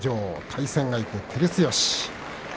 対戦相手は照強。